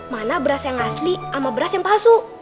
mana beras yang asli sama beras yang palsu